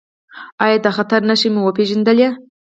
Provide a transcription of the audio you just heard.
ایا د خطر نښې مو وپیژندلې؟